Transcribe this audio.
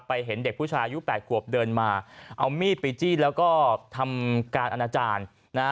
เห็นเด็กผู้ชายอายุแปดขวบเดินมาเอามีดไปจี้แล้วก็ทำการอนาจารย์นะฮะ